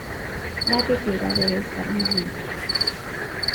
La tetera debe estar muy limpia.